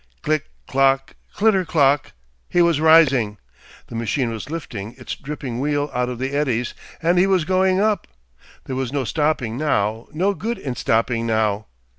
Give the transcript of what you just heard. Click, clock, clitter clock, he was rising! The machine was lifting its dripping wheel out of the eddies, and he was going up! There was no stopping now, no good in stopping now.